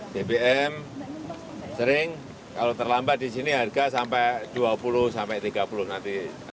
bbm sering kalau terlambat di sini harga sampai rp dua puluh sampai tiga puluh nanti